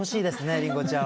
りんごちゃん。